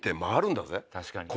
確かに。